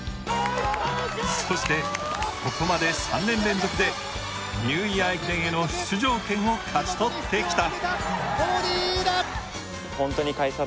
そしてここまで３年連続でニューイヤー駅伝への出場権を勝ち取ってきた。